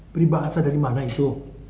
beribahasa dari mana itu